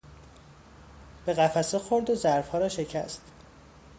به قفسه خورد و ظرفها را شکست.